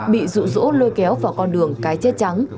bị rụ rỗ lôi kéo vào con đường cái chết trắng